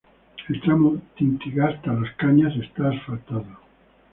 El tramo Tintigasta-Las Cañas está asfaltado.